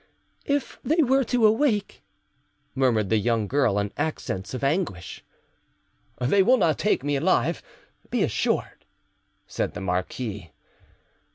"If they were to awake?" murmured the young girl in accents of anguish. "They will not take me alive, be assured," said the marquis.